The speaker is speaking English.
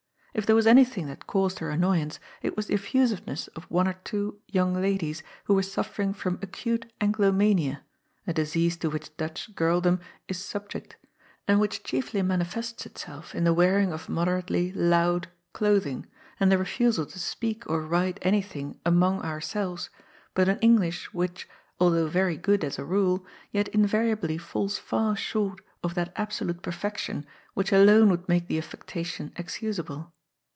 If there was anything that caused her annoyance, it was the effusive ness of one or two young ladies who were suffering from acute Anglo mania, a disease to which Dutch girldom is subject, and which chiefly manifests itself in the wearing of moderately '' loud " clothing, and the refusal to speak or write anything " among ourselves " but an English which, although very good as a rule, yet invariably falls far short of that absolute perfection which alone would make the affec tation excusable.